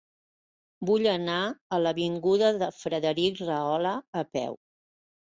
Vull anar a l'avinguda de Frederic Rahola a peu.